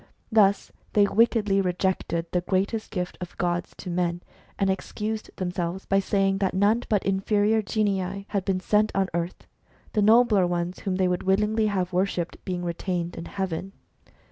Thus they wickedly rejected the greatest gift of gods to men, and excused themselves by saying that none but inferior genii had been sent on earth, the nobler ones, whom they would willingly have worshipped, being retained in heaven.